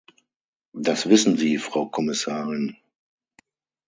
Das wissen Sie, Frau Kommissarin.